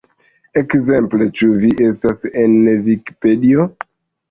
Ekzemple "Ĉu vi estas en Vikipedio?